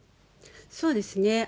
そうですね。